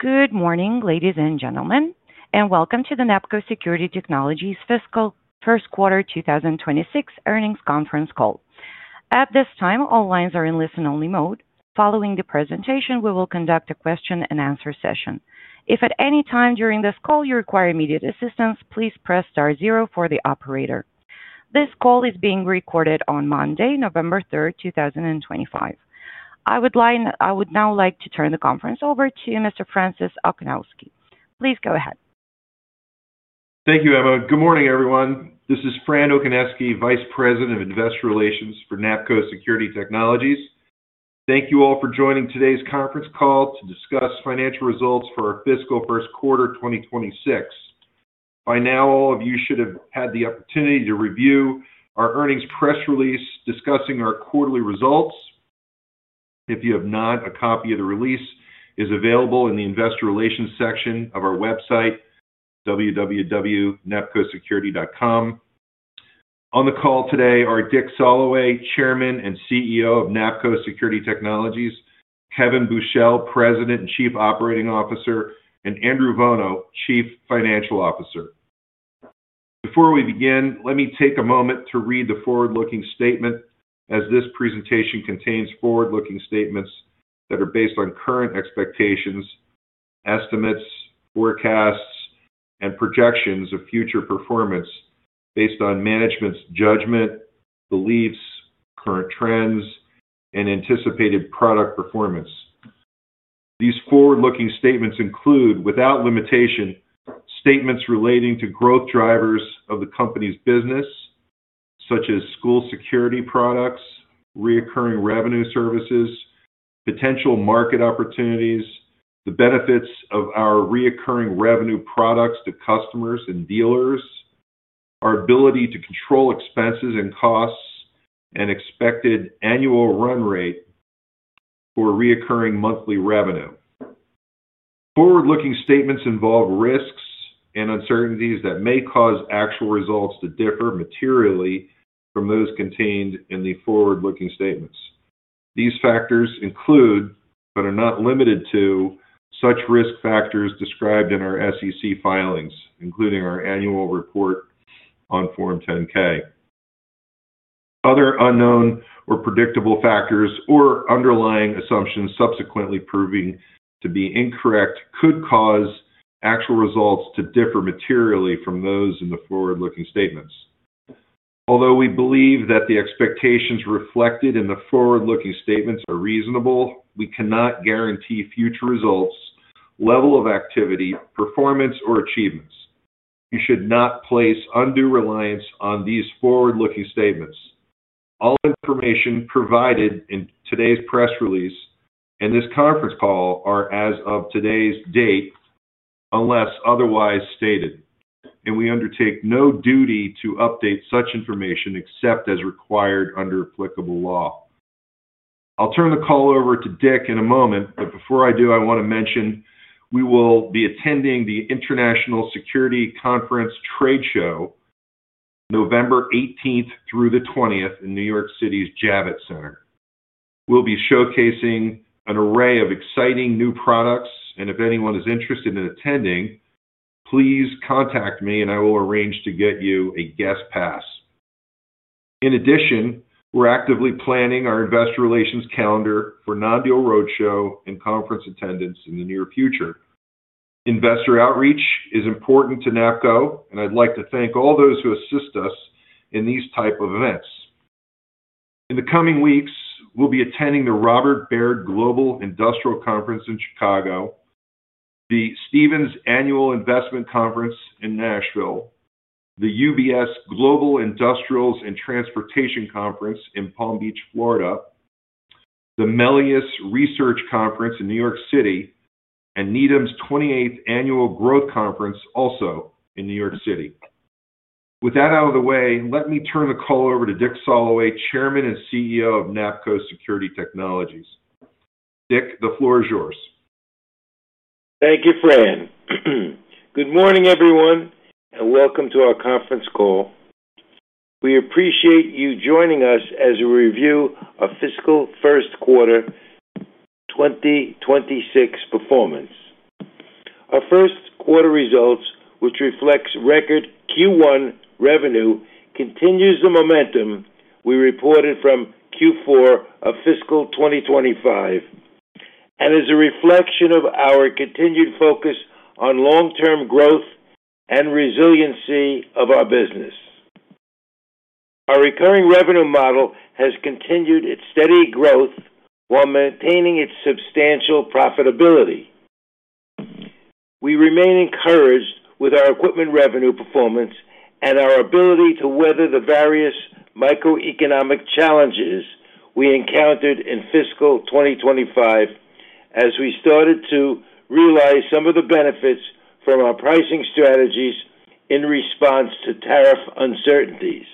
Good morning, ladies and gentlemen, and welcome to the NAPCO Security Technologies' fiscal first quarter 2026 earnings conference call. At this time, all lines are in listen-only mode. Following the presentation, we will conduct a question-and-answer session. If at any time during this call you require immediate assistance, please press star zero for the operator. This call is being recorded on Monday, November 3, 2025. I would now like to turn the conference over to Mr. Francis Okoniewski. Please go ahead. Thank you, Eva. Good morning, everyone. This is Francis Okoniewski, Vice President of Investor Relations for NAPCO Security Technologies. Thank you all for joining today's conference call to discuss financial results for our fiscal first quarter 2026. By now, all of you should have had the opportunity to review our earnings press release discussing our quarterly results. If you have not, a copy of the release is available in the Investor Relations section of our website, www.napcosecurity.com. On the call today are Dick Soloway, Chairman and CEO of NAPCO Security Technologies; Kevin Buchel, President and Chief Operating Officer; and Andrew Vuono, Chief Financial Officer. Before we begin, let me take a moment to read the forward-looking statement, as this presentation contains forward-looking statements that are based on current expectations. Estimates, forecasts, and projections of future performance based on management's judgment, beliefs, current trends, and anticipated product performance. These forward-looking statements include, without limitation, statements relating to growth drivers of the company's business, such as school security products, recurring revenue services, potential market opportunities, the benefits of our recurring revenue products to customers and dealers, our ability to control expenses and costs, and expected annual run rate for recurring monthly revenue. Forward-looking statements involve risks and uncertainties that may cause actual results to differ materially from those contained in the forward-looking statements. These factors include, but are not limited to, such risk factors described in our SEC filings, including our annual report on Form 10-K. Other unknown or unpredictable factors or underlying assumptions subsequently proving to be incorrect could cause actual results to differ materially from those in the forward-looking statements. Although we believe that the expectations reflected in the forward-looking statements are reasonable, we cannot guarantee future results, level of activity, performance, or achievements. You should not place undue reliance on these forward-looking statements. All information provided in today's press release and this conference call are, as of today's date, unless otherwise stated, and we undertake no duty to update such information except as required under applicable law. I'll turn the call over to Dick in a moment, but before I do, I want to mention we will be attending the International Security Conference Trade Show November 18th through the 20th in New York City's Javits Center. We'll be showcasing an array of exciting new products, and if anyone is interested in attending, please contact me, and I will arrange to get you a guest pass. In addition, we're actively planning our Investor Relations calendar for non-deal roadshow and conference attendance in the near future. Investor outreach is important to NAPCO, and I'd like to thank all those who assist us in these types of events. In the coming weeks, we'll be attending the Robert Baird Global Industrial Conference in Chicago, the Stephens Annual Investment Conference in Nashville, the UBS Global Industrials and Transportation Conference in Palm Beach, Florida, the Melius Research Conference in New York City, and Needham's 28th Annual Growth Conference also in New York City. With that out of the way, let me turn the call over to Dick Soloway, Chairman and CEO of NAPCO Security Technologies. Dick, the floor is yours. Thank you, Fran. Good morning, everyone, and welcome to our conference call. We appreciate you joining us as we review our fiscal first quarter 2026 performance. Our first quarter results, which reflect record Q1 revenue, continue the momentum we reported from Q4 of fiscal 2025. As a reflection of our continued focus on long-term growth and resiliency of our business, our recurring revenue model has continued its steady growth while maintaining its substantial profitability. We remain encouraged with our equipment revenue performance and our ability to weather the various microeconomic challenges we encountered in fiscal 2025 as we started to realize some of the benefits from our pricing strategies in response to tariff uncertainties.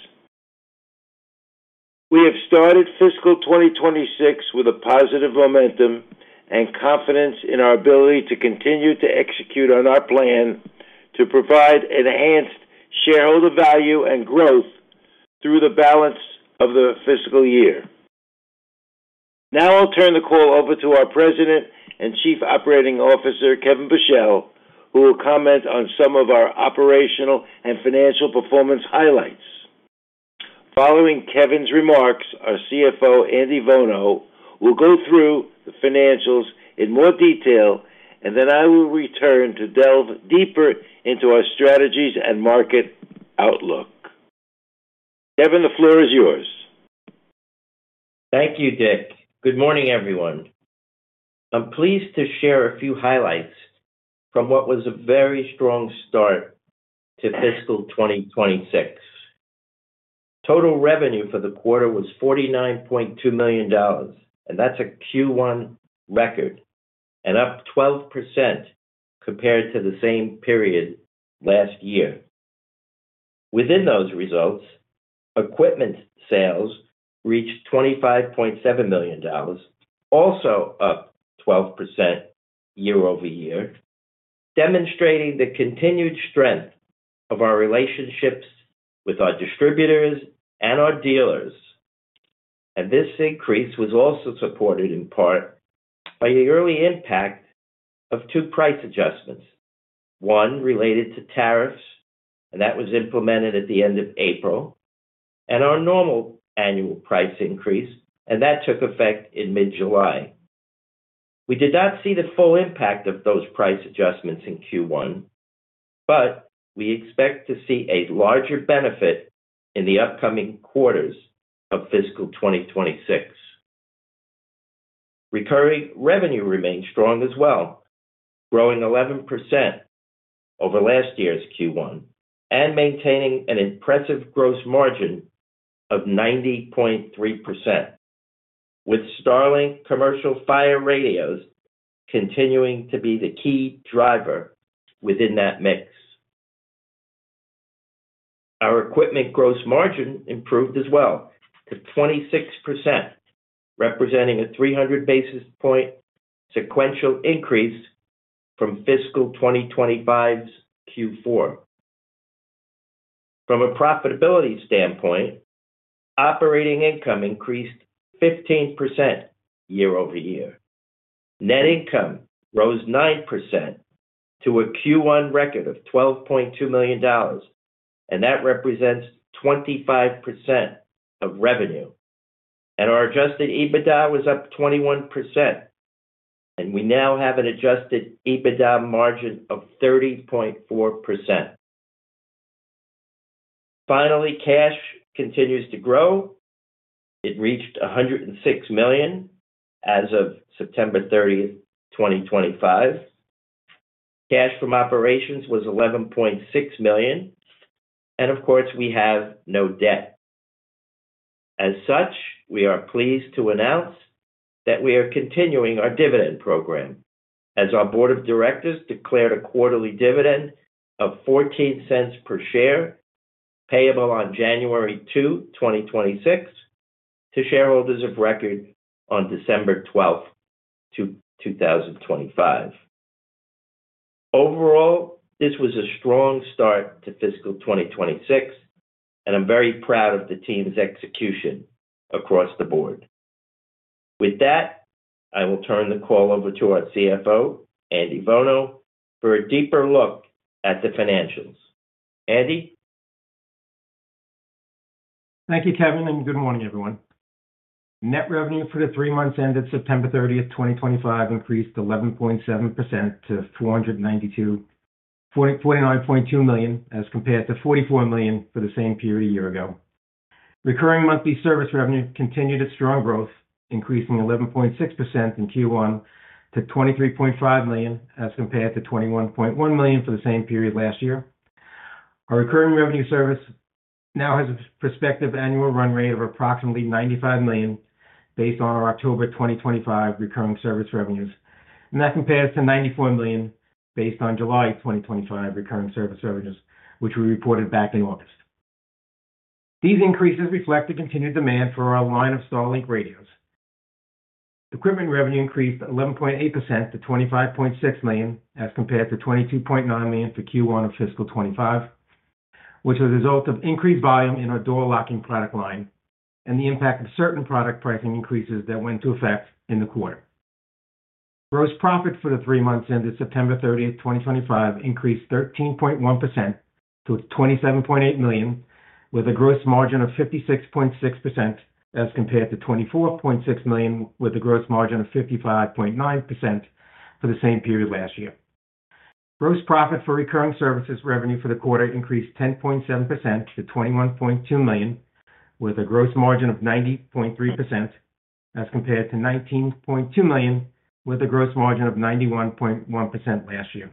We have started fiscal 2026 with positive momentum and confidence in our ability to continue to execute on our plan to provide enhanced shareholder value and growth through the balance of the fiscal year. Now I'll turn the call over to our President and Chief Operating Officer, Kevin Buchel, who will comment on some of our operational and financial performance highlights. Following Kevin's remarks, our CFO, Andy Vuono, will go through the financials in more detail, and then I will return to delve deeper into our strategies and market outlook. Kevin, the floor is yours. Thank you, Dick. Good morning, everyone. I'm pleased to share a few highlights from what was a very strong start to fiscal 2026. Total revenue for the quarter was $49.2 million, and that's a Q1 record, up 12% compared to the same period last year. Within those results, equipment sales reached $25.7 million, also up 12% year over year, demonstrating the continued strength of our relationships with our distributors and our dealers. This increase was also supported in part by the early impact of two price adjustments, one related to tariffs that was implemented at the end of April, and our normal annual price increase that took effect in mid-July. We did not see the full impact of those price adjustments in Q1, but we expect to see a larger benefit in the upcoming quarters of fiscal 2026. Recurring revenue remained strong as well, growing 11% over last year's Q1 and maintaining an impressive gross margin of 90.3%, with StarLink Commercial Fire Radios continuing to be the key driver within that mix. Our equipment gross margin improved as well to 26%, representing a 300 basis point sequential increase from fiscal 2025's Q4. From a profitability standpoint, operating income increased 15% year over year. Net income rose 9% to a Q1 record of $12.2 million, and that represents 25% of revenue. Our adjusted EBITDA was up 21%, and we now have an adjusted EBITDA margin of 30.4%. Finally, cash continues to grow. It reached $106 million as of September 30, 2025. Cash from operations was $11.6 million, and of course, we have no debt. As such, we are pleased to announce that we are continuing our dividend program, as our Board of Directors declared a quarterly dividend of $0.14 per share payable on January 2, 2026, to shareholders of record on December 12, 2025. Overall, this was a strong start to fiscal 2026, and I'm very proud of the team's execution across the board. With that, I will turn the call over to our CFO, Andy Vuono, for a deeper look at the financials. Andy. Thank you, Kevin, and good morning, everyone. Net revenue for the three months ended September 30, 2025, increased 11.7% to $49.2 million as compared to $44 million for the same period a year ago. Recurring monthly service revenue continued its strong growth, increasing 11.6% in Q1 to $23.5 million as compared to $21.1 million for the same period last year. Our recurring revenue service now has a prospective annual run rate of approximately $95 million based on our October 2025 recurring service revenues. That compares to $94 million based on July 2025 recurring service revenues, which we reported back in August. These increases reflect the continued demand for our line of StarLink Fire Radios. Equipment revenue increased 11.8% to $25.6 million as compared to $22.9 million for Q1 of fiscal 2025, which was a result of increased volume in our door locking product line and the impact of certain product pricing increases that went into effect in the quarter. Gross profit for the three months ended September 30, 2025, increased 13.1% to $27.8 million, with a gross margin of 56.6% as compared to $24.6 million, with a gross margin of 55.9% for the same period last year. Gross profit for recurring services revenue for the quarter increased 10.7% to $21.2 million, with a gross margin of 90.3% as compared to $19.2 million, with a gross margin of 91.1% last year.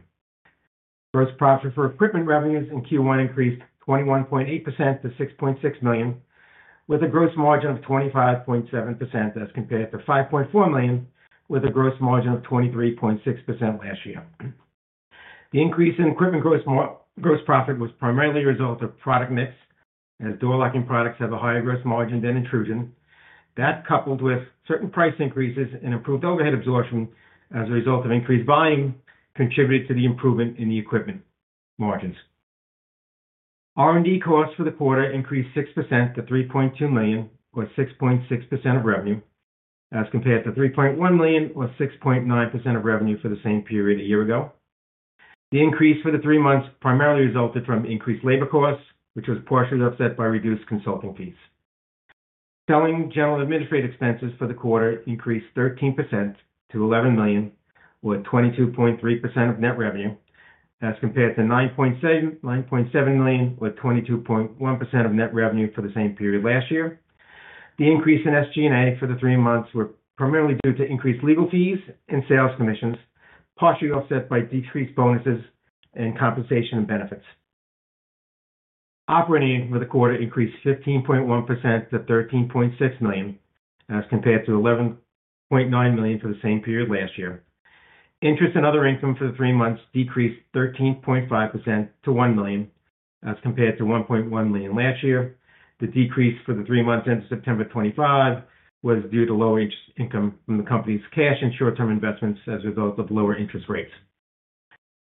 Gross profit for equipment revenues in Q1 increased 21.8% to $6.6 million, with a gross margin of 25.7% as compared to $5.4 million, with a gross margin of 23.6% last year. The increase in equipment gross profit was primarily a result of product mix, as door locking products have a higher gross margin than intrusion. That, coupled with certain price increases and improved overhead absorption as a result of increased volume, contributed to the improvement in the equipment margins. R&D costs for the quarter increased 6% to $3.2 million, or 6.6% of revenue, as compared to $3.1 million or 6.9% of revenue for the same period a year ago. The increase for the three months primarily resulted from increased labor costs, which was partially offset by reduced consulting fees. Selling, general and administrative expenses for the quarter increased 13% to $11 million, or 22.3% of net revenue, as compared to $9.7 million or 22.1% of net revenue for the same period last year. The increase in SG&A for the three months was primarily due to increased legal fees and sales commissions, partially offset by decreased bonuses and compensation and benefits. Operating income for the quarter increased 15.1% to $13.6 million, as compared to $11.9 million for the same period last year. Interest and other income for the three months decreased 13.5% to $1 million, as compared to $1.1 million last year. The decrease for the three months ended September 2025 was due to lower interest income from the company's cash and short-term investments as a result of lower interest rates.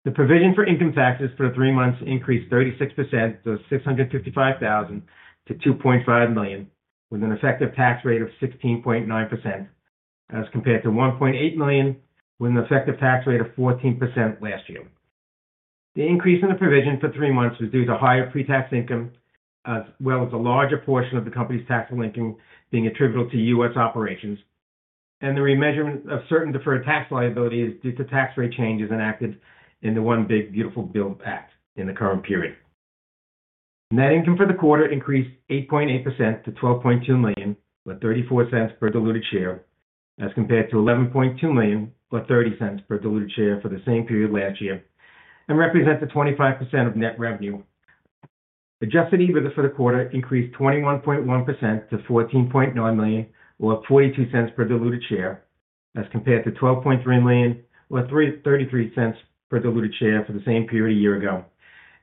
The provision for income taxes for the three months increased 36% to $655,000 to $2.5 million, with an effective tax rate of 16.9%. As compared to $1.8 million with an effective tax rate of 14% last year. The increase in the provision for three months was due to higher pre-tax income, as well as a larger portion of the company's taxable income being attributable to U.S. operations. The remeasurement of certain deferred tax liability is due to tax rate changes enacted in the One Big Beautiful Build Act in the current period. Net income for the quarter increased 8.8% to $12.2 million, or $0.34 per diluted share, as compared to $11.2 million, or $0.30 per diluted share for the same period last year, and represents 25% of net revenue. Adjusted EBITDA for the quarter increased 21.1% to $14.9 million, or $0.42 per diluted share, as compared to $12.3 million, or $0.33 per diluted share for the same period a year ago,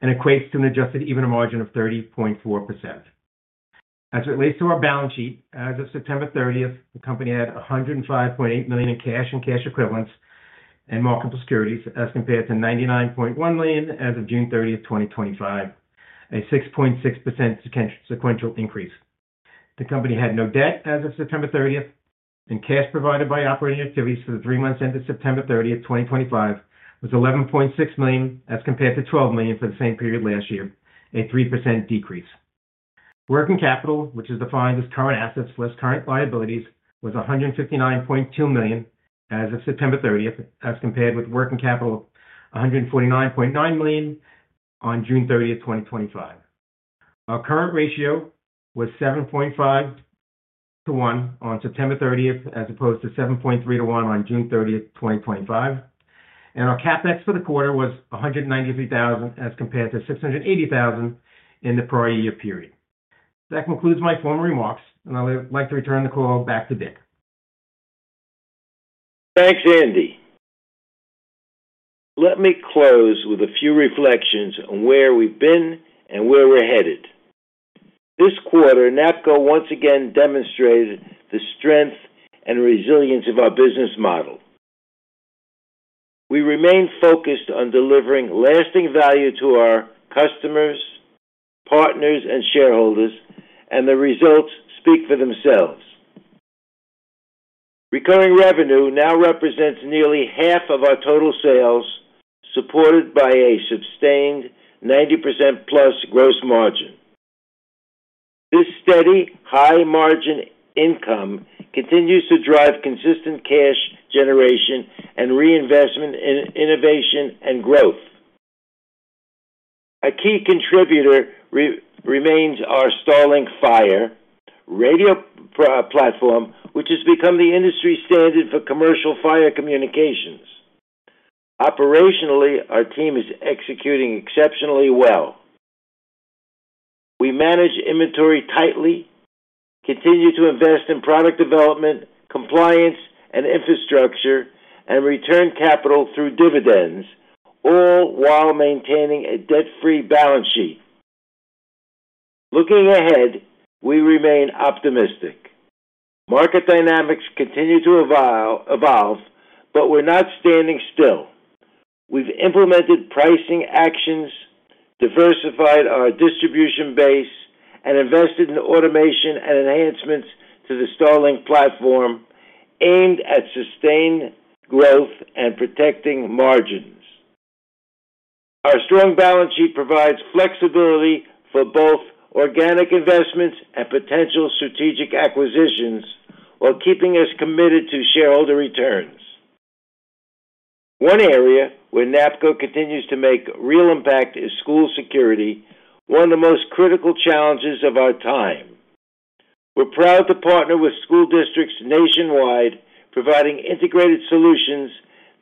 and equates to an adjusted EBITDA margin of 30.4%. As it relates to our balance sheet, as of September 30, the company had $105.8 million in cash and cash equivalents and marketable securities, as compared to $99.1 million as of June 30th, 2025, a 6.6% sequential increase. The company had no debt as of September 30th, and cash provided by operating activities for the three months ended September 30th, 2025, was $11.6 million as compared to $12 million for the same period last year, a 3% decrease. Working capital, which is defined as current assets less current liabilities, was $159.2 million as of September 30th, as compared with working capital of $149.9 million on June 30th, 2025. Our current ratio was 7.5 to 1 on September 30th, as opposed to 7.3 to 1 on June 30th, 2025. Our CapEx for the quarter was $193,000 as compared to $680,000 in the prior year period. That concludes my formal remarks, and I'd like to return the call back to Dick. Thanks, Andy. Let me close with a few reflections on where we've been and where we're headed. This quarter, NAPCO once again demonstrated the strength and resilience of our business model. We remain focused on delivering lasting value to our customers, partners, and shareholders, and the results speak for themselves. Recurring revenue now represents nearly half of our total sales, supported by a sustained 90%+ gross margin. This steady high-margin income continues to drive consistent cash generation and reinvestment in innovation and growth. A key contributor remains our StarLink Fire Radio platform, which has become the industry standard for commercial fire communications. Operationally, our team is executing exceptionally well. We manage inventory tightly, continue to invest in product development, compliance, and infrastructure, and return capital through dividends, all while maintaining a debt-free balance sheet. Looking ahead, we remain optimistic. Market dynamics continue to evolve, but we're not standing still. We've implemented pricing actions, diversified our distribution base, and invested in automation and enhancements to the StarLink platform aimed at sustained growth and protecting margins. Our strong balance sheet provides flexibility for both organic investments and potential strategic acquisitions while keeping us committed to shareholder returns. One area where NAPCO continues to make real impact is school security, one of the most critical challenges of our time. We're proud to partner with school districts nationwide, providing integrated solutions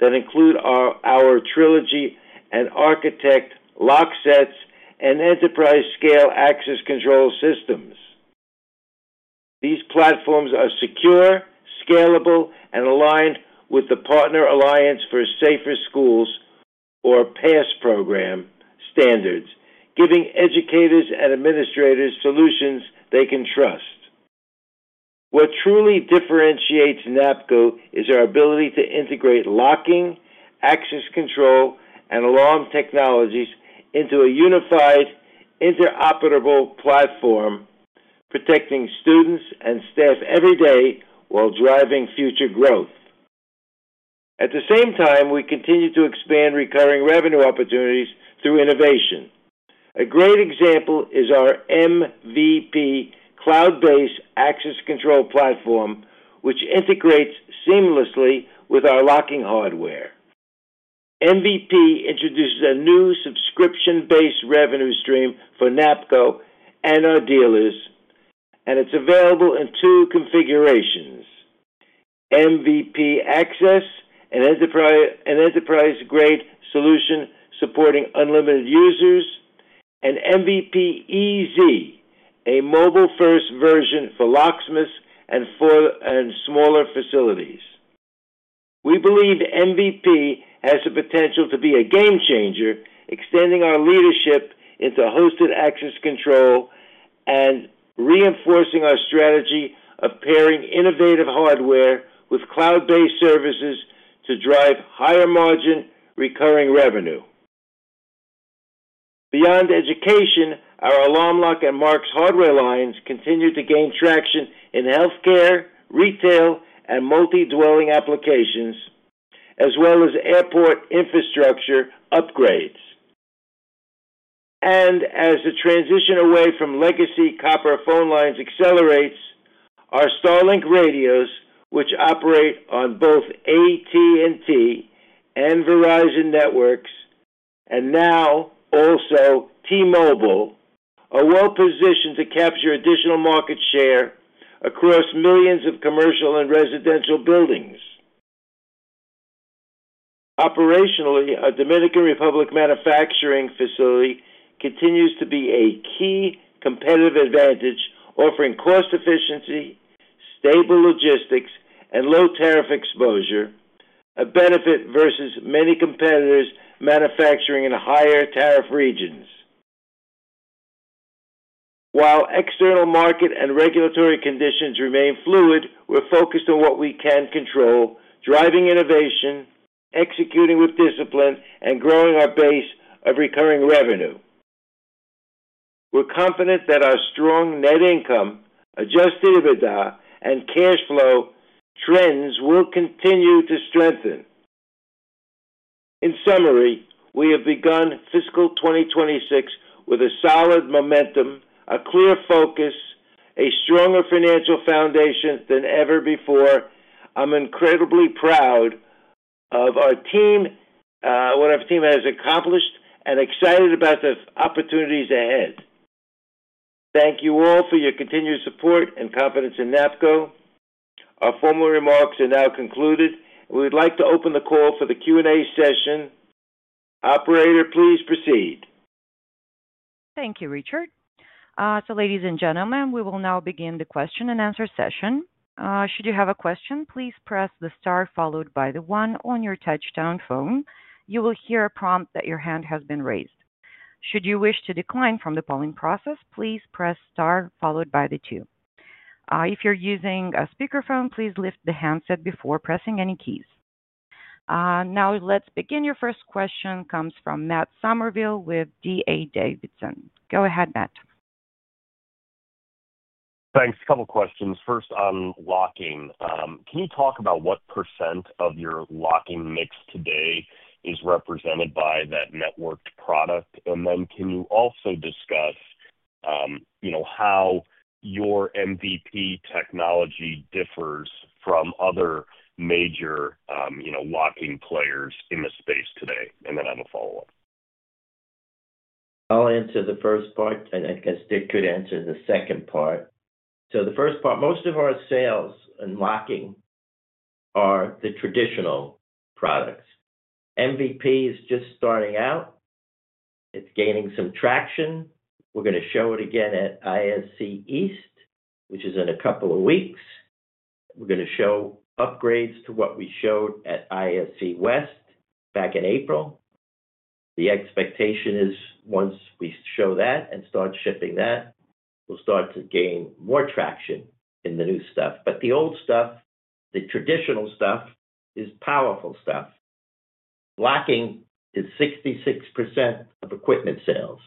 that include our Trilogy and ArchiTech lock and enterprise-scale access control systems. These platforms are secure, scalable, and aligned with the Partner Alliance for Safer Schools, or PASS program standards, giving educators and administrators solutions they can trust. What truly differentiates NAPCO is our ability to integrate locking, access control, and alarm technologies into a unified, interoperable platform, protecting students and staff every day while driving future growth. At the same time, we continue to expand recurring revenue opportunities through innovation. A great example is our MVP Cloud-Based Access Control platform, which integrates seamlessly with our locking hardware. MVP introduces a new subscription-based revenue stream for NAPCO and our dealers, and it's available in two configurations: MVP Access, an enterprise-grade solution supporting unlimited users, and MVP EZ, a mobile-first version for locksmiths and smaller facilities. We believe MVP has the potential to be a game changer, extending our leadership into hosted access control and reinforcing our strategy of pairing innovative hardware with cloud-based services to drive higher margin recurring revenue. Beyond education, our AlarmLock and Marks hardware lines continue to gain traction in healthcare, retail, and multi-dwelling applications, as well as airport infrastructure upgrades. As the transition away from legacy copper phone lines accelerates, our StarLink Radios, which operate on both AT&T and Verizon networks, and now also T-Mobile, are well positioned to capture additional market share across millions of commercial and residential buildings. Operationally, our Dominican Republic manufacturing facility continues to be a key competitive advantage, offering cost efficiency, stable logistics, and low tariff exposure, a benefit versus many competitors manufacturing in higher tariff regions. While external market and regulatory conditions remain fluid, we're focused on what we can control, driving innovation, executing with discipline, and growing our base of recurring revenue. We're confident that our strong net income, adjusted EBITDA, and cash flow trends will continue to strengthen. In summary, we have begun fiscal 2026 with solid momentum, a clear focus, a stronger financial foundation than ever before. I'm incredibly proud of our team, what our team has accomplished, and excited about the opportunities ahead. Thank you all for your continued support and confidence in NAPCO. Our formal remarks are now concluded. We would like to open the call for the Q&A session. Operator, please proceed. Thank you, Richard. So, ladies and gentlemen, we will now begin the question-and-answer session. Should you have a question, please press the star followed by the one on your touch-tone phone. You will hear a prompt that your hand has been raised. Should you wish to decline from the polling process, please press star followed by the two. If you're using a speakerphone, please lift the handset before pressing any keys. Now, let's begin. Your first question comes from Matt Summerville with D.A. Davidson. Go ahead, Matt. Thanks. A couple of questions. First on locking. Can you talk about what % of your locking mix today is represented by that networked product? Can you also discuss how your MVP technology differs from other major locking players in the space today? I have a follow-up. I'll answer the first part, and I guess Dick could answer the second part. The first part, most of our sales in locking are the traditional products. MVP is just starting out. It's gaining some traction. We're going to show it again at ISC East, which is in a couple of weeks. We're going to show upgrades to what we showed at ISC West back in April. The expectation is once we show that and start shipping that, we'll start to gain more traction in the new stuff. The old stuff, the traditional stuff, is powerful stuff. Locking is 66% of equipment sales.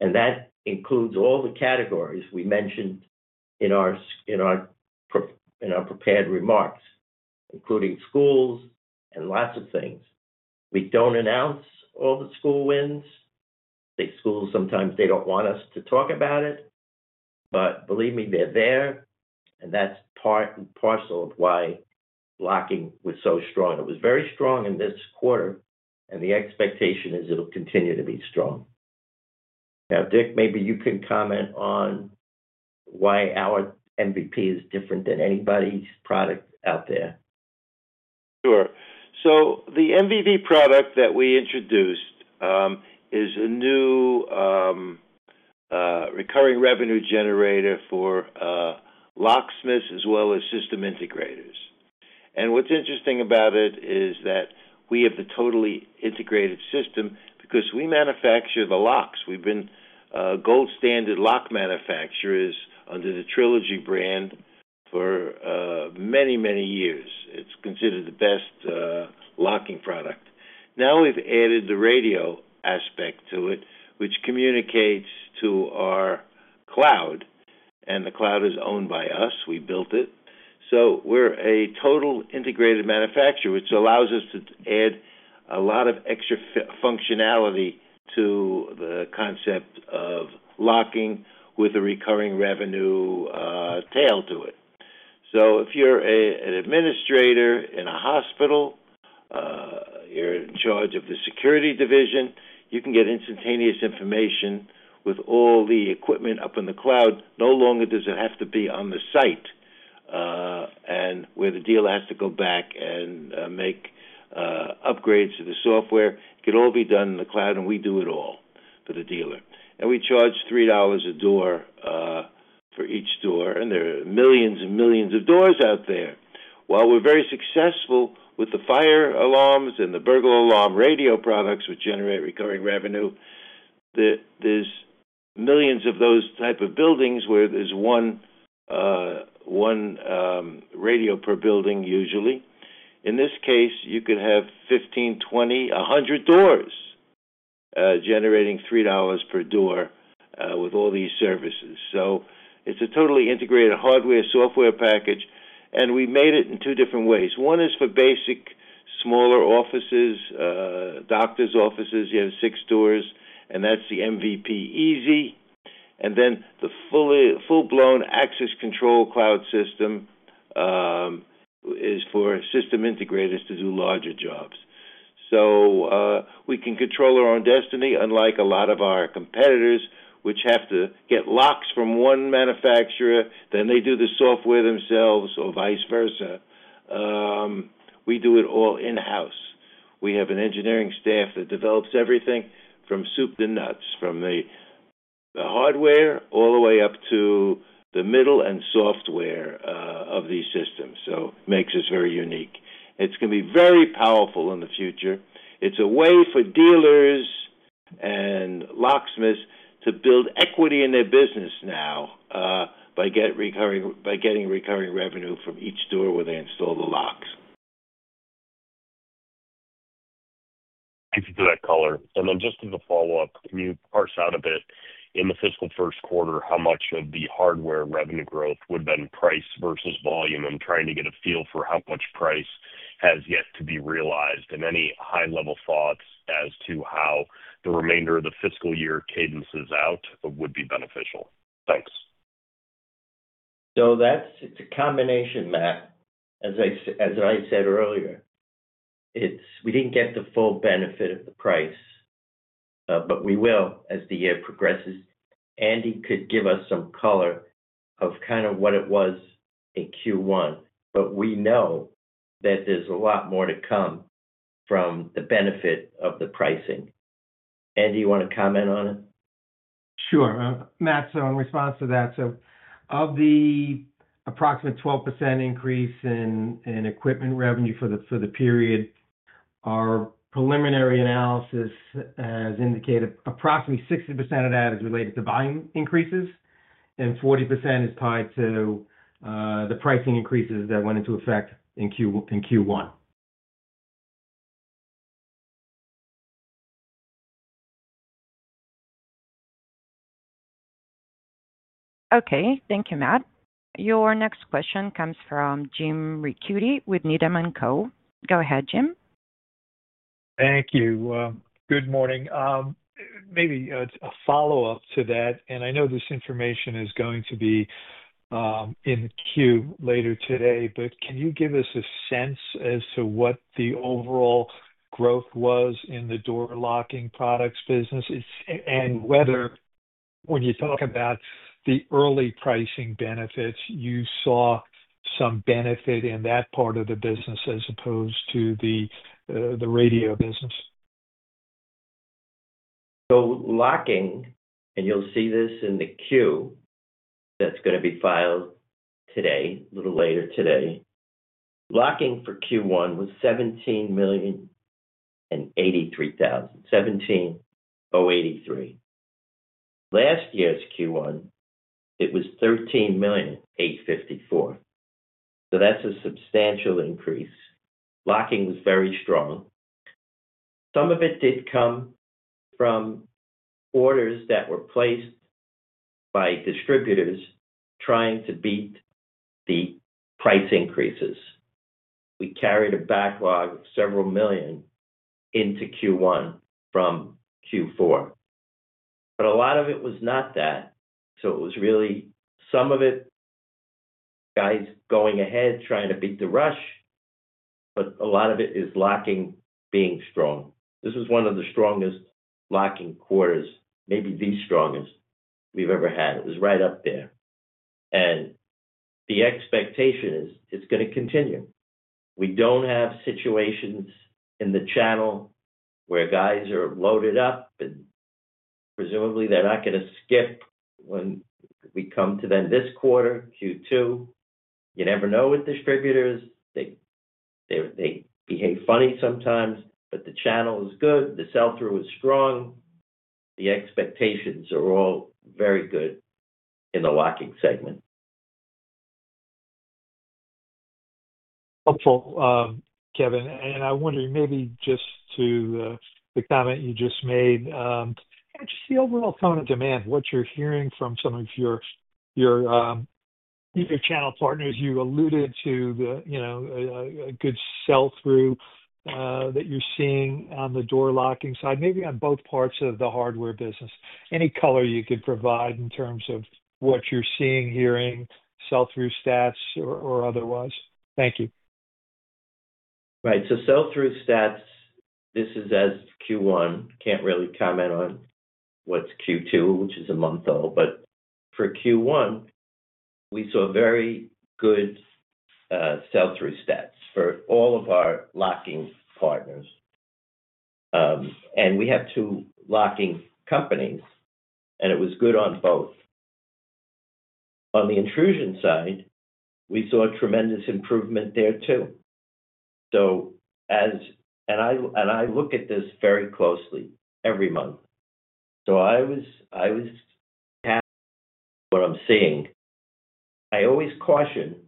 That includes all the categories we mentioned in our prepared remarks, including schools and lots of things. We don't announce all the school wins. Some schools, sometimes they don't want us to talk about it. Believe me, they're there. That's part and parcel of why locking was so strong. It was very strong in this quarter, and the expectation is it'll continue to be strong. Now, Dick, maybe you can comment on why our MVP is different than anybody's product out there. Sure. The MVP product that we introduced is a new recurring revenue generator for locksmiths as well as system integrators. What's interesting about it is that we have the totally integrated system because we manufacture the locks. We've been gold-standard lock manufacturers under the Trilogy brand for many, many years. It's considered the best locking product. Now we've added the radio aspect to it, which communicates to our cloud. The cloud is owned by us. We built it. We're a total integrated manufacturer, which allows us to add a lot of extra functionality to the concept of locking with a recurring revenue tail to it. If you're an administrator in a hospital, you're in charge of the security division, you can get instantaneous information with all the equipment up in the cloud. No longer does it have to be on the site, and where the dealer has to go back and make upgrades to the software, it can all be done in the cloud, and we do it all for the dealer. We charge $3 a door for each door, and there are millions and millions of doors out there. While we're very successful with the fire alarms and the burglar alarm radio products, which generate recurring revenue, there's millions of those types of buildings where there's one radio per building usually. In this case, you could have 15, 20, 100 doors generating $3 per door with all these services. It's a totally integrated hardware-software package. We made it in two different ways. One is for basic, smaller offices, doctor's offices. You have six doors, and that's the MVP EZ. The full-blown access control cloud system is for system integrators to do larger jobs. We can control our own destiny, unlike a lot of our competitors, which have to get locks from one manufacturer, then they do the software themselves or vice versa. We do it all in-house. We have an engineering staff that develops everything from soup to nuts, from the hardware all the way up to the middle and software of these systems. It makes us very unique. It's going to be very powerful in the future. It's a way for dealers and locksmiths to build equity in their business now by getting recurring revenue from each store where they install the locks. Thank you for that color. Just as a follow-up, can you parse out a bit in the fiscal first quarter how much of the hardware revenue growth would have been price versus volume? I'm trying to get a feel for how much price has yet to be realized and any high-level thoughts as to how the remainder of the fiscal year cadences out would be beneficial. Thanks. It is a combination, Matt. As I said earlier, we did not get the full benefit of the price, but we will as the year progresses. Andy could give us some color of kind of what it was in Q1, but we know that there is a lot more to come from the benefit of the pricing. Andy, you want to comment on it? Sure. Matt, so in response to that, of the approximate 12% increase in equipment revenue for the period, our preliminary analysis has indicated approximately 60% of that is related to volume increases, and 40% is tied to the pricing increases that went into effect in Q1. Okay. Thank you, Matt. Your next question comes from Jim Ricchiuti with Needham and Co. Go ahead, Jim. Thank you. Good morning. Maybe a follow-up to that. I know this information is going to be in the queue later today, but can you give us a sense as to what the overall growth was in the door locking products business and whether, when you talk about the early pricing benefits, you saw some benefit in that part of the business as opposed to the radio business? Locking, and you'll see this in the queue that's going to be filed today, a little later today. Locking for Q1 was $17,083,000. $17,083. Last year's Q1, it was $13,854,000. That's a substantial increase. Locking was very strong. Some of it did come from orders that were placed by distributors trying to beat the price increases. We carried a backlog of several million into Q1 from Q4, but a lot of it was not that. It was really some of it, guys going ahead trying to beat the rush, but a lot of it is locking being strong. This was one of the strongest locking quarters, maybe the strongest we've ever had. It was right up there. The expectation is it's going to continue. We don't have situations in the channel where guys are loaded up, and presumably they're not going to skip when we come to them this quarter, Q2. You never know with distributors. They behave funny sometimes, but the channel is good. The sell-through is strong. The expectations are all very good in the locking segment. Helpful, Kevin. I wonder, maybe just to the comment you just made, just the overall tone of demand, what you're hearing from some of your channel partners. You alluded to a good sell-through that you're seeing on the door locking side, maybe on both parts of the hardware business. Any color you could provide in terms of what you're seeing, hearing, sell-through stats or otherwise? Thank you. Right. Sell-through stats, this is as of Q1. Can't really comment on what's Q2, which is a month old. For Q1, we saw very good sell-through stats for all of our locking partners. We have two locking companies, and it was good on both. On the intrusion side, we saw tremendous improvement there too. I look at this very closely every month. I was happy with what I'm seeing. I always caution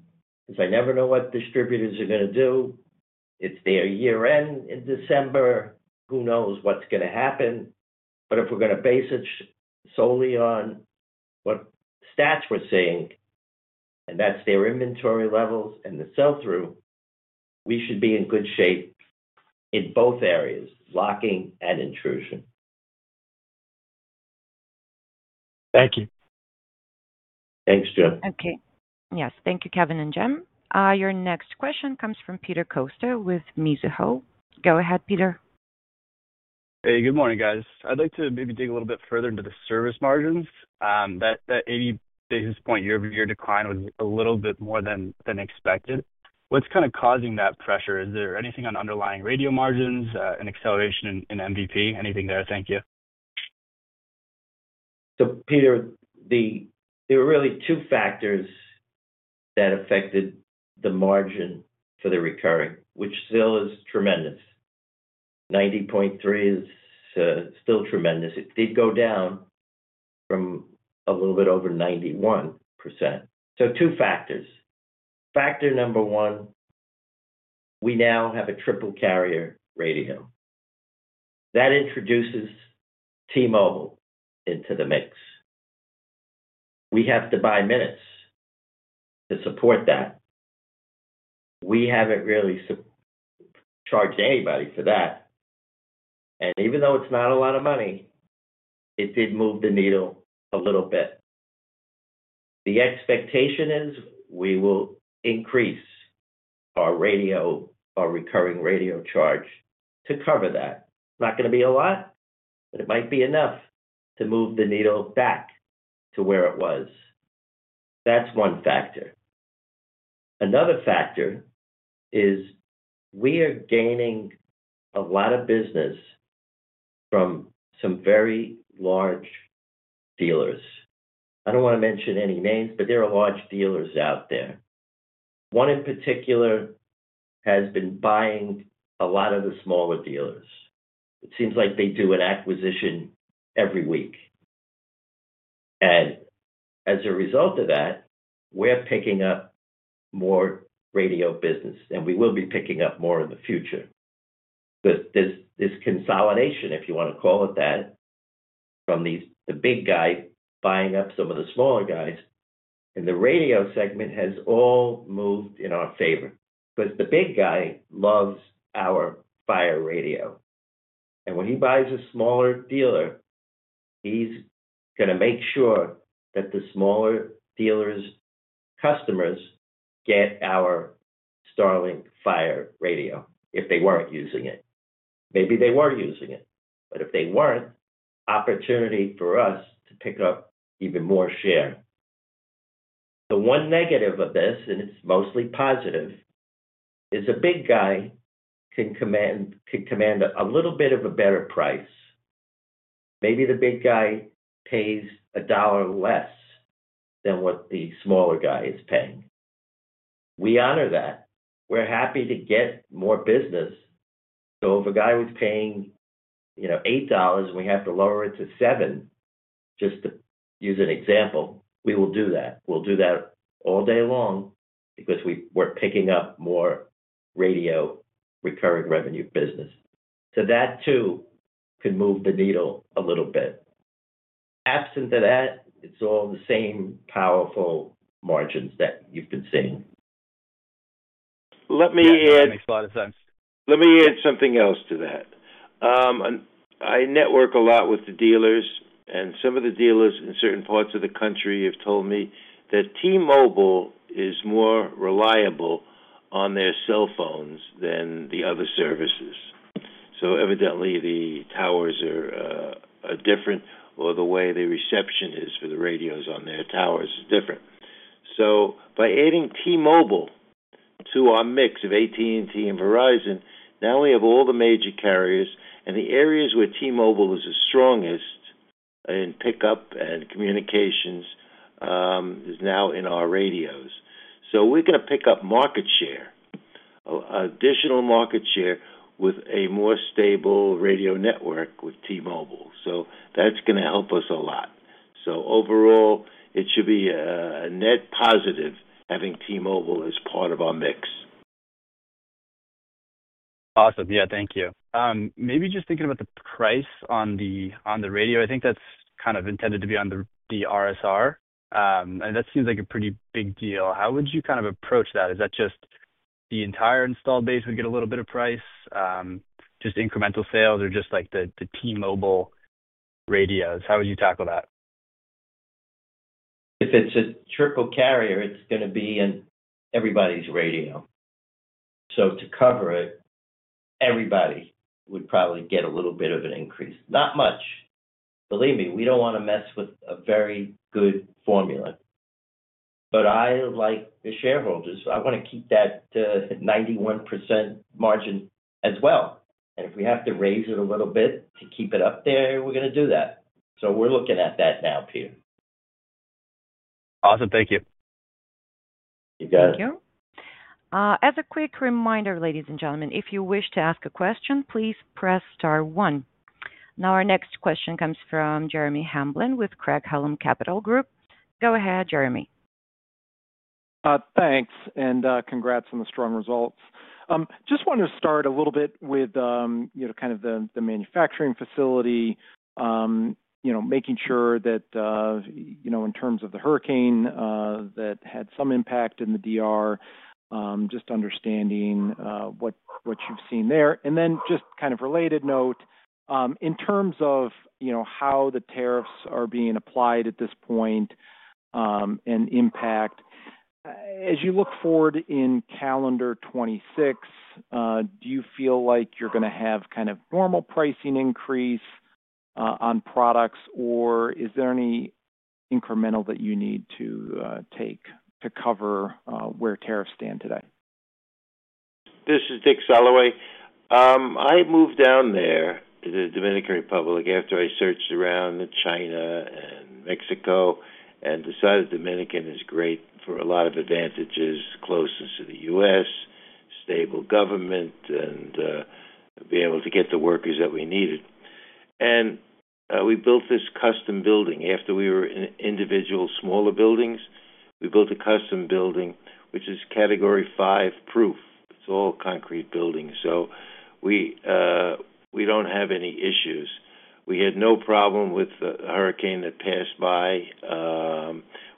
because I never know what distributors are going to do. It's their year-end in December. Who knows what's going to happen? If we're going to base it solely on what stats we're seeing, and that's their inventory levels and the sell-through, we should be in good shape in both areas, locking and intrusion. Thank you. Thanks, Jim. Okay. Yes. Thank you, Kevin and Jim. Your next question comes from Peter Costa with Mizuho. Go ahead, Peter. Hey, good morning, guys. I'd like to maybe dig a little bit further into the service margins. That 80 basis point year-over-year decline was a little bit more than expected. What's kind of causing that pressure? Is there anything on underlying radio margins, an acceleration in MVP? Anything there? Thank you. Peter, there were really two factors that affected the margin for the recurring, which still is tremendous. 90.3% is still tremendous. It did go down from a little bit over 91%. Two factors. Factor number one, we now have a triple carrier radio that introduces T-Mobile into the mix. We have to buy minutes to support that. We have not really charged anybody for that, and even though it is not a lot of money, it did move the needle a little bit. The expectation is we will increase our recurring radio charge to cover that. It is not going to be a lot, but it might be enough to move the needle back to where it was. That is one factor. Another factor is we are gaining a lot of business from some very large dealers. I do not want to mention any names, but there are large dealers out there. One in particular has been buying a lot of the smaller dealers. It seems like they do an acquisition every week. As a result of that, we are picking up more radio business, and we will be picking up more in the future because there is this consolidation, if you want to call it that, from the big guy buying up some of the smaller guys. The radio segment has all moved in our favor because the big guy loves our fire radio, and when he buys a smaller dealer, he is going to make sure that the smaller dealer's customers get our StarLink Fire Radio if they were not using it. Maybe they were using it, but if they were not, opportunity for us to pick up even more share. The one negative of this, and it is mostly positive, is a big guy can command a little bit of a better price. Maybe the big guy pays a dollar less than what the smaller guy is paying. We honor that. We are happy to get more business. If a guy was paying $8 and we have to lower it to $7, just to use an example, we will do that. We will do that all day long because we are picking up more radio recurring revenue business. That too could move the needle a little bit. Absent of that, it is all the same powerful margins that you have been seeing. Let me add. That makes a lot of sense. Let me add something else to that. I network a lot with the dealers, and some of the dealers in certain parts of the country have told me that T-Mobile is more reliable on their cell phones than the other services. Evidently, the towers are different or the way the reception is for the radios on their towers is different. By adding T-Mobile to our mix of AT&T and Verizon, now we have all the major carriers, and the areas where T-Mobile is the strongest in pickup and communications is now in our radios. We are going to pick up market share, additional market share with a more stable radio network with T-Mobile. That is going to help us a lot. Overall, it should be a net positive having T-Mobile as part of our mix. Awesome. Yeah. Thank you. Maybe just thinking about the price on the radio, I think that's kind of intended to be on the RSR. That seems like a pretty big deal. How would you kind of approach that? Is that just the entire installed base would get a little bit of price, just incremental sales, or just the T-Mobile radios? How would you tackle that? If it's a triple carrier, it's going to be in everybody's radio. To cover it, everybody would probably get a little bit of an increase. Not much. Believe me, we don't want to mess with a very good formula. I like the shareholders. I want to keep that 91% margin as well. If we have to raise it a little bit to keep it up there, we're going to do that. We're looking at that now, Peter. Awesome. Thank you. You got it. Thank you. As a quick reminder, ladies and gentlemen, if you wish to ask a question, please press star one. Now our next question comes from Jeremy Hamblin with Craig-Hallum Capital Group. Go ahead, Jeremy. Thanks. Congrats on the strong results. Just wanted to start a little bit with kind of the manufacturing facility. Making sure that in terms of the hurricane that had some impact in the Dominican Republic. Just understanding what you've seen there. Just kind of related note, in terms of how the tariffs are being applied at this point. Impact, as you look forward in calendar 2026. Do you feel like you're going to have kind of normal pricing increase on products, or is there any incremental that you need to take to cover where tariffs stand today? This is Dick Soloway. I moved down there to the Dominican Republic after I searched around China and Mexico and decided Dominican is great for a lot of advantages: closeness to the U.S., stable government, and being able to get the workers that we needed. We built this custom building. After we were in individual smaller buildings, we built a custom building which is category five proof. It is an all concrete building. We do not have any issues. We had no problem with the hurricane that passed by.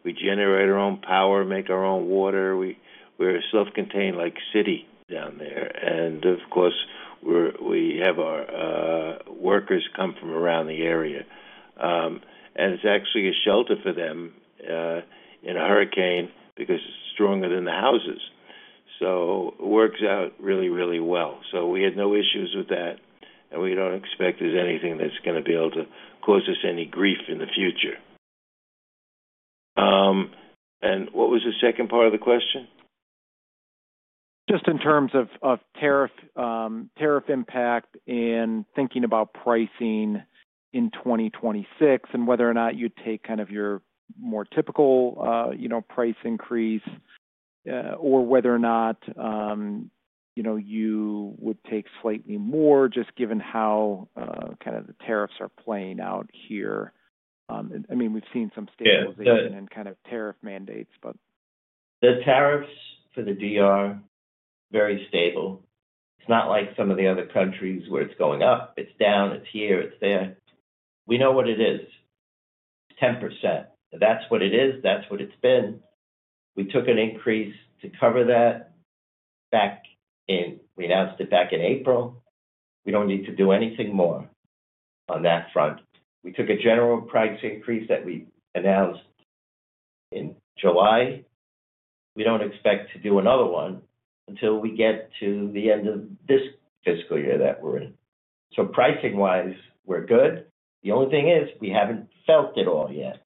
We generate our own power, make our own water. We are a self-contained city down there. Of course, we have our workers come from around the area. It is actually a shelter for them in a hurricane because it is stronger than the houses. It works out really, really well. We had no issues with that. We do not expect there is anything that is going to be able to cause us any grief in the future. What was the second part of the question? Just in terms of tariff impact and thinking about pricing in 2026 and whether or not you'd take kind of your more typical price increase or whether or not you would take slightly more, just given how kind of the tariffs are playing out here. I mean, we've seen some stabilization in kind of tariff mandates, but. The tariffs for the DR are very stable. It's not like some of the other countries where it's going up. It's down. It's here. It's there. We know what it is. It's 10%. That's what it is. That's what it's been. We took an increase to cover that. We announced it back in April. We don't need to do anything more on that front. We took a general price increase that we announced in July. We don't expect to do another one until we get to the end of this fiscal year that we're in. Pricing-wise, we're good. The only thing is we haven't felt it all yet.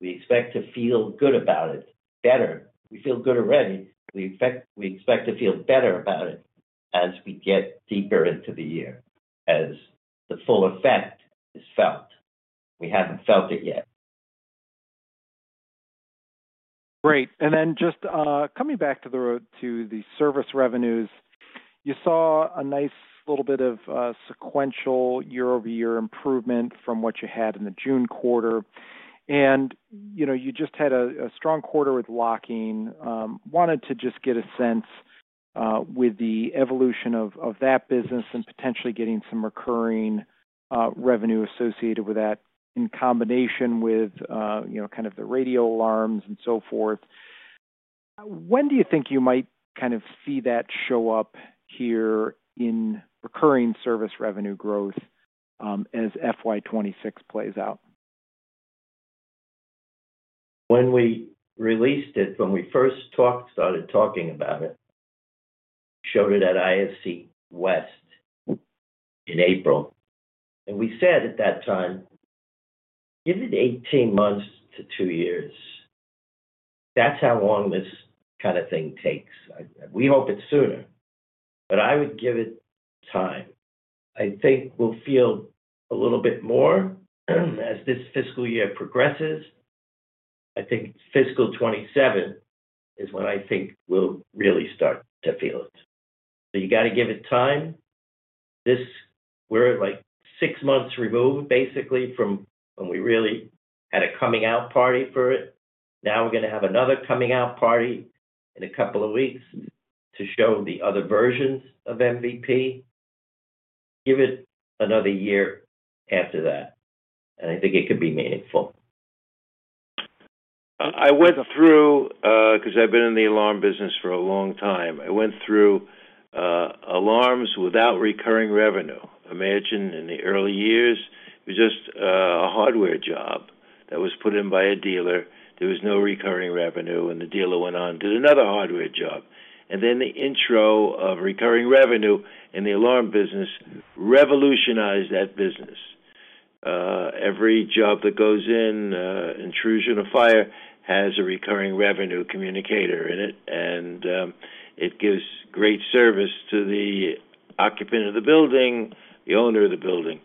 We expect to feel good about it, better. We feel good already. We expect to feel better about it as we get deeper into the year, as the full effect is felt. We haven't felt it yet. Great. Just coming back to the service revenues, you saw a nice little bit of sequential year-over-year improvement from what you had in the June quarter. You just had a strong quarter with locking. I wanted to just get a sense. With the evolution of that business and potentially getting some recurring revenue associated with that in combination with kind of the radio alarms and so forth, when do you think you might kind of see that show up here in recurring service revenue growth as FY 2026 plays out? When we released it, when we first started talking about it. We showed it at IFC West in April. And we said at that time, "Give it 18 months to two years. That's how long this kind of thing takes. We hope it's sooner." But I would give it time. I think we'll feel a little bit more as this fiscal year progresses. I think fiscal 2027 is when I think we'll really start to feel it. So you got to give it time. We're like six months removed, basically, from when we really had a coming-out party for it. Now we're going to have another coming-out party in a couple of weeks to show the other versions of MVP. Give it another year after that. And I think it could be meaningful. I went through, because I've been in the alarm business for a long time, I went through alarms without recurring revenue. Imagine in the early years, it was just a hardware job that was put in by a dealer. There was no recurring revenue, and the dealer went on to do another hardware job. Then the intro of recurring revenue in the alarm business revolutionized that business. Every job that goes in, intrusion or fire, has a recurring revenue communicator in it. It gives great service to the occupant of the building, the owner of the building.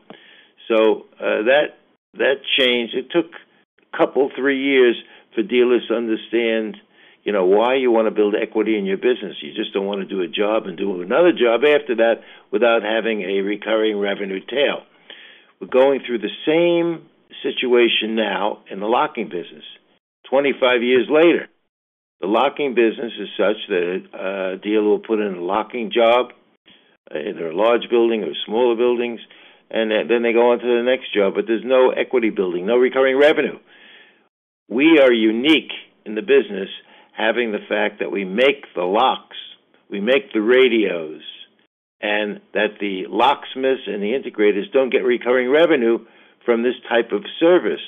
That changed. It took a couple, three years for dealers to understand why you want to build equity in your business. You just don't want to do a job and do another job after that without having a recurring revenue tail. We're going through the same situation now in the locking business. 25 years later, the locking business is such that a dealer will put in a locking job, either a large building or smaller buildings, and then they go on to the next job. There's no equity building, no recurring revenue. We are unique in the business, having the fact that we make the locks, we make the radios, and that the locksmiths and the integrators don't get recurring revenue from this type of service.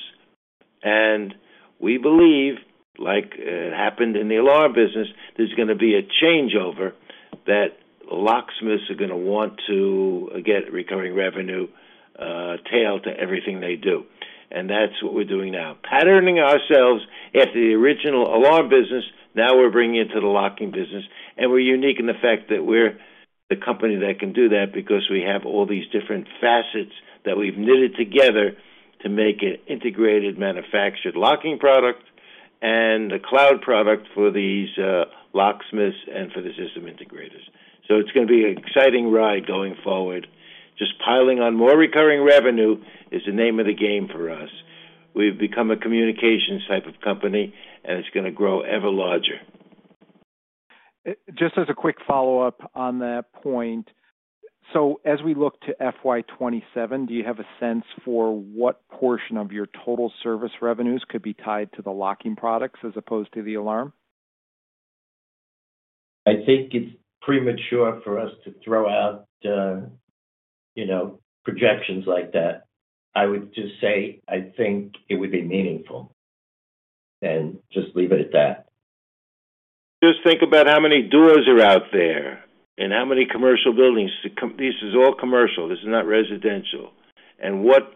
We believe, like it happened in the alarm business, there's going to be a changeover that locksmiths are going to want to get recurring revenue tail to everything they do. That's what we're doing now. Patterning ourselves after the original alarm business, now we're bringing it to the locking business. We're unique in the fact that we're the company that can do that because we have all these different facets that we've knitted together to make an integrated manufactured locking product and a cloud product for these locksmiths and for the system integrators. It's going to be an exciting ride going forward. Just piling on more recurring revenue is the name of the game for us. We've become a communications type of company, and it's going to grow ever larger. Just as a quick follow-up on that point. As we look to FY 2027, do you have a sense for what portion of your total service revenues could be tied to the locking products as opposed to the alarm? I think it's premature for us to throw out projections like that. I would just say I think it would be meaningful. And just leave it at that. Just think about how many doors are out there and how many commercial buildings. This is all commercial. This is not residential. What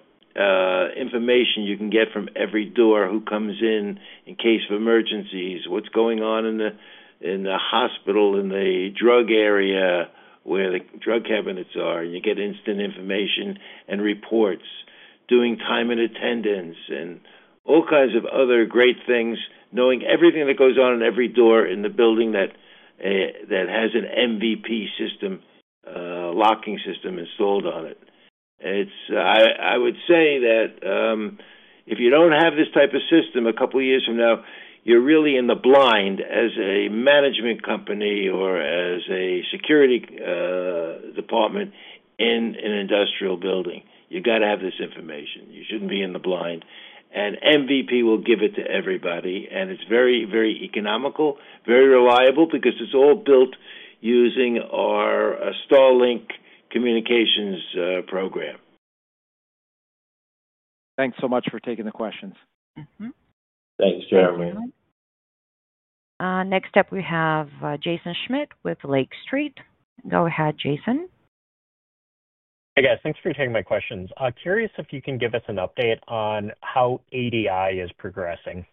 information you can get from every door, who comes in in case of emergencies, what's going on in the hospital, in the drug area, where the drug cabinets are, and you get instant information and reports, doing time and attendance, and all kinds of other great things, knowing everything that goes on in every door in the building that has an MVP system, locking system installed on it. I would say that if you don't have this type of system a couple of years from now, you're really in the blind as a management company or as a security department in an industrial building. You got to have this information. You shouldn't be in the blind. MVP will give it to everybody. It's very, very economical, very reliable because it's all built using our StarLink communications program. Thanks so much for taking the questions. Thanks, Jeremy. Next up, we have Jaeson Schmidt with Lake Street. Go ahead, Jason. Hey, guys. Thanks for taking my questions. Curious if you can give us an update on how ADI is progressing.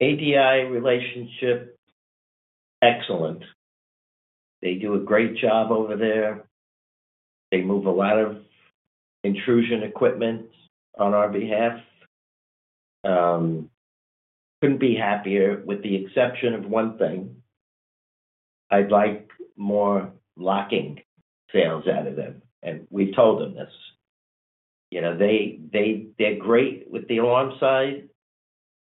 ADI relationship. Excellent. They do a great job over there. They move a lot of intrusion equipment on our behalf. Couldn't be happier with the exception of one thing. I'd like more locking sales out of them. And we've told them this. They're great with the alarm side.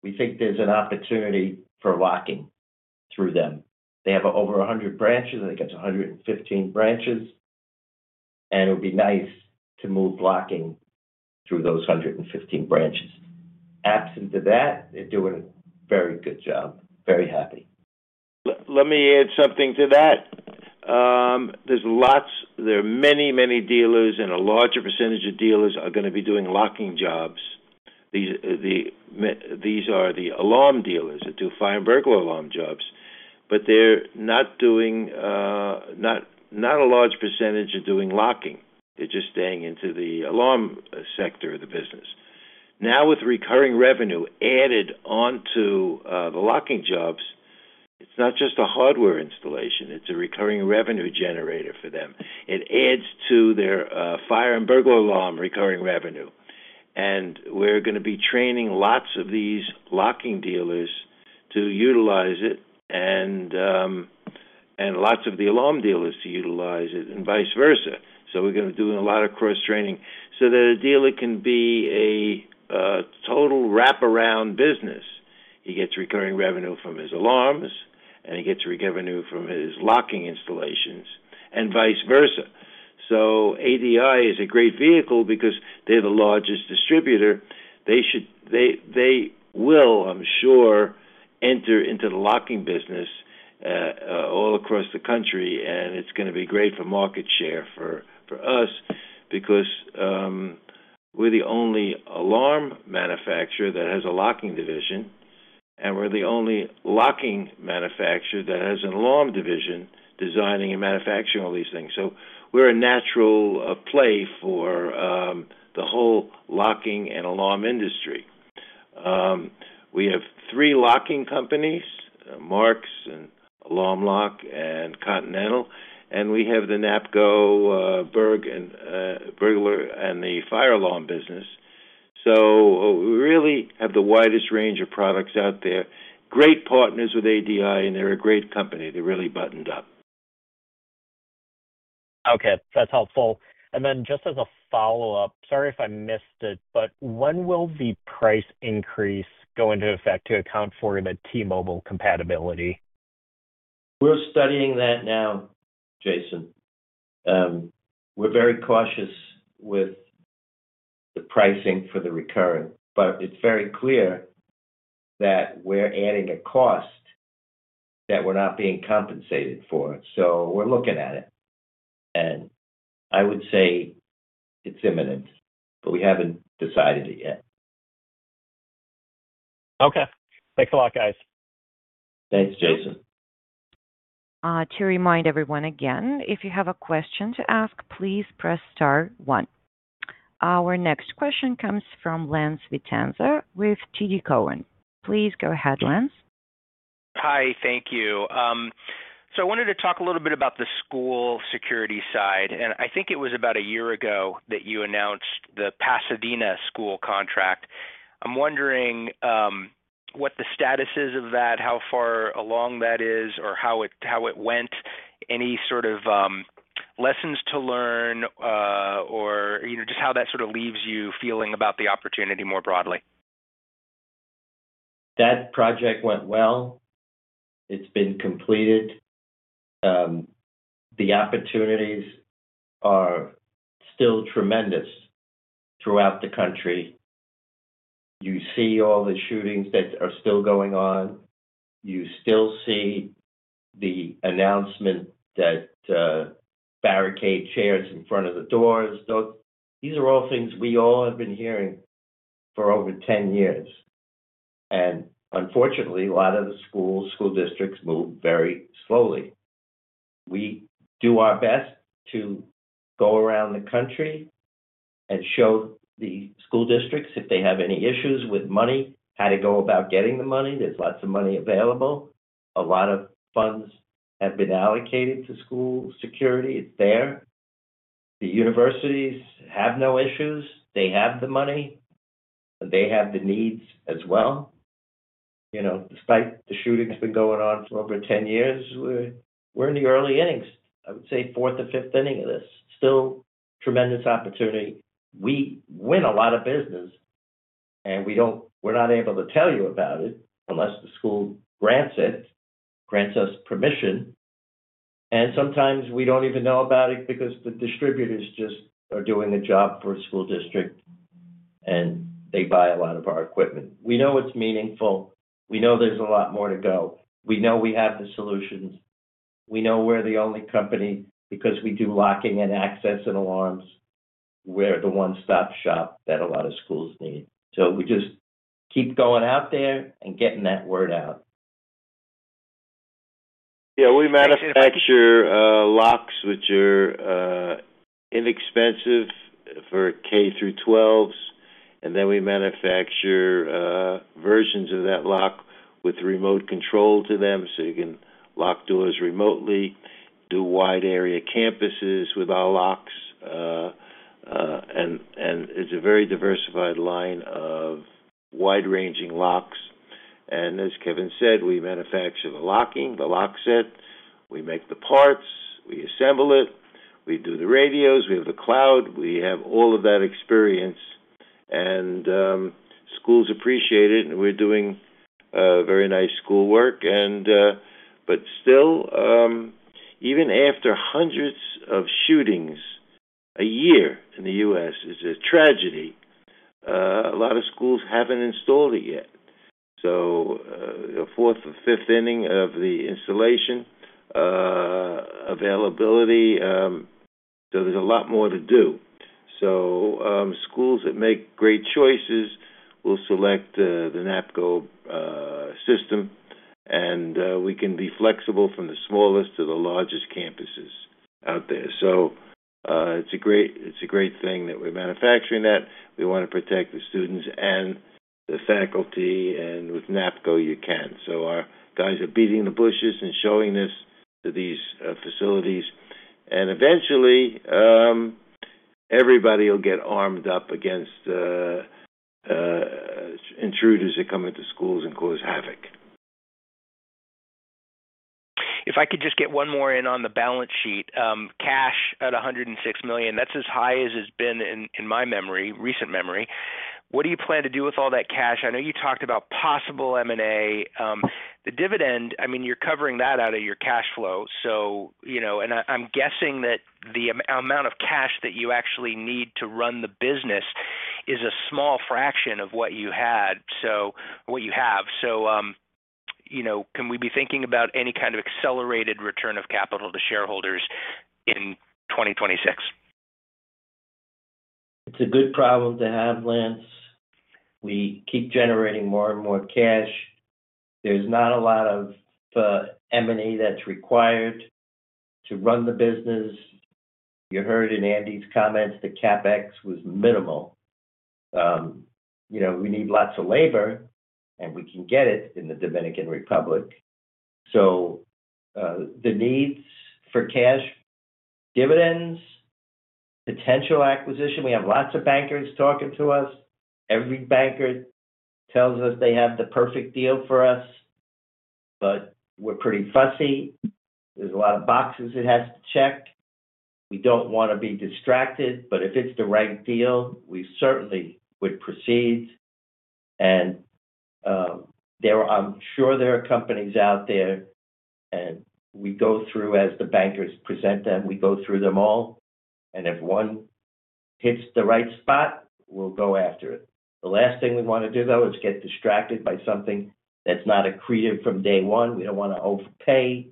We think there's an opportunity for locking through them. They have over 100 branches. I think it's 115 branches. It would be nice to move locking through those 115 branches. Absent of that, they're doing a very good job. Very happy. Let me add something to that. There are many, many dealers and a larger percentage of dealers are going to be doing locking jobs. These are the alarm dealers that do fire and burglar alarm jobs, but they're not. A large percentage are doing locking. They're just staying in the alarm sector of the business. Now, with recurring revenue added onto the locking jobs, it's not just a hardware installation. It's a recurring revenue generator for them. It adds to their fire and burglar alarm recurring revenue. We're going to be training lots of these locking dealers to utilize it and lots of the alarm dealers to utilize it and vice versa. We're going to do a lot of cross-training so that a dealer can be a total wraparound business. He gets recurring revenue from his alarms, and he gets revenue from his locking installations, and vice versa. ADI is a great vehicle because they're the largest distributor. They will, I'm sure, enter into the locking business all across the country. It's going to be great for market share for us because we're the only alarm manufacturer that has a locking division, and we're the only locking manufacturer that has an alarm division designing and manufacturing all these things. We're a natural play for the whole locking and alarm industry. We have three locking companies: Marks and AlarmLock and Continental. We have the NAPCO burglar and the fire alarm business. We really have the widest range of products out there. Great partners with ADI, and they're a great company. They're really buttoned up. Okay. That's helpful. And then just as a follow-up, sorry if I missed it, but when will the price increase go into effect to account for the T-Mobile compatibility? We're studying that now, Jason. We're very cautious with the pricing for the recurring, but it's very clear that we're adding a cost that we're not being compensated for. So we're looking at it. I would say it's imminent, but we haven't decided it yet. Okay. Thanks a lot, guys. Thanks, Jason. To remind everyone again, if you have a question to ask, please press star one. Our next question comes from Lance Vitanza with TD Cowen. Please go ahead, Lance. Hi. Thank you. I wanted to talk a little bit about the school security side. I think it was about a year ago that you announced the Pasadena school contract. I'm wondering what the status is of that, how far along that is, or how it went, any sort of lessons to learn, or just how that sort of leaves you feeling about the opportunity more broadly. That project went well. It's been completed. The opportunities are still tremendous throughout the country. You see all the shootings that are still going on. You still see the announcement that barricade chairs in front of the doors. These are all things we all have been hearing for over 10 years. Unfortunately, a lot of the school districts move very slowly. We do our best to go around the country and show the school districts if they have any issues with money, how to go about getting the money. There's lots of money available. A lot of funds have been allocated to school security. It's there. The universities have no issues. They have the money. They have the needs as well. Despite the shootings been going on for over 10 years, we're in the early innings, I would say fourth or fifth inning of this. Still tremendous opportunity. We win a lot of business. We're not able to tell you about it unless the school grants it, grants us permission. Sometimes we don't even know about it because the distributors just are doing a job for a school district, and they buy a lot of our equipment. We know it's meaningful. We know there's a lot more to go. We know we have the solutions. We know we're the only company because we do locking and access and alarms. We're the one-stop shop that a lot of schools need. We just keep going out there and getting that word out. Yeah. We manufacture locks which are inexpensive for K-12s. We manufacture versions of that lock with remote control to them so you can lock doors remotely, do wide area campuses with our locks. It is a very diversified line of wide-ranging locks. As Kevin said, we manufacture the locking, the lock set. We make the parts. We assemble it. We do the radios. We have the cloud. We have all of that experience. Schools appreciate it. We are doing very nice schoolwork. Still, even after hundreds of shootings a year in the U.S., it is a tragedy. A lot of schools have not installed it yet. A fourth or fifth inning of the installation availability, so there is a lot more to do. Schools that make great choices will select the NAPCO system. We can be flexible from the smallest to the largest campuses out there. It is a great thing that we are manufacturing that. We want to protect the students and the faculty. With NAPCO, you can. Our guys are beating the bushes and showing this to these facilities. Eventually, everybody will get armed up against intruders that come into schools and cause havoc. If I could just get one more in on the balance sheet, cash at $106 million, that's as high as it's been in my memory, recent memory. What do you plan to do with all that cash? I know you talked about possible M&A. The dividend, I mean, you're covering that out of your cash flow. I'm guessing that the amount of cash that you actually need to run the business is a small fraction of what you have. Can we be thinking about any kind of accelerated return of capital to shareholders in 2026? It's a good problem to have, Lance. We keep generating more and more cash. There's not a lot of M&A that's required to run the business. You heard in Andy's comments that CapEx was minimal. We need lots of labor, and we can get it in the Dominican Republic. The needs for cash, dividends, potential acquisition. We have lots of bankers talking to us. Every banker tells us they have the perfect deal for us. We're pretty fussy. There's a lot of boxes it has to check. We don't want to be distracted, but if it's the right deal, we certainly would proceed. I'm sure there are companies out there, and we go through as the bankers present them. We go through them all, and if one hits the right spot, we'll go after it. The last thing we want to do, though, is get distracted by something that's not accretive from day one. We don't want to overpay.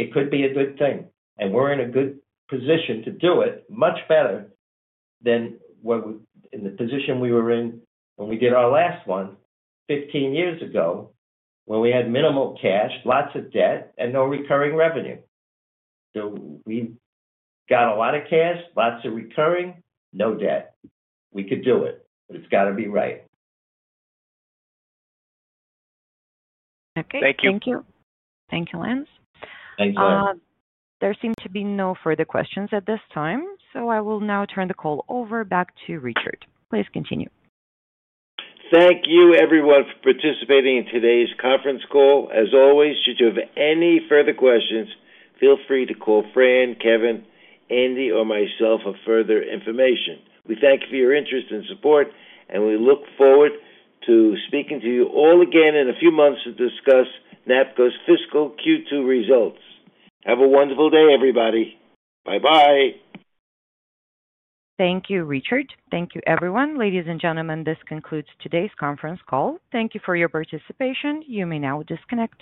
It could be a good thing. We're in a good position to do it much better than in the position we were in when we did our last one 15 years ago when we had minimal cash, lots of debt, and no recurring revenue. We got a lot of cash, lots of recurring, no debt. We could do it, but it's got to be right. Okay. Thank you. Thank you, Lance. Thanks, Lance. There seem to be no further questions at this time. I will now turn the call over back to Richard. Please continue. Thank you, everyone, for participating in today's conference call. As always, should you have any further questions, feel free to call Fran, Kevin, Andy, or myself for further information. We thank you for your interest and support, and we look forward to speaking to you all again in a few months to discuss NAPCO's fiscal Q2 results. Have a wonderful day, everybody. Bye-bye. Thank you, Richard. Thank you, everyone. Ladies and gentlemen, this concludes today's conference call. Thank you for your participation. You may now disconnect.